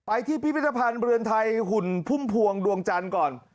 ที่พิพิธภัณฑ์เรือนไทยหุ่นพุ่มพวงดวงจันทร์ก่อน